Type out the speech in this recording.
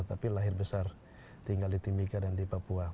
tapi lahir besar tinggal di timika dan di papua